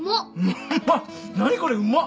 うまっ何これうまっ。